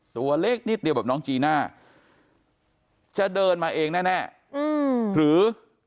ตัวเล็กนิดเดียวแบบน้องจีน่าจะเดินมาเองแน่หรือ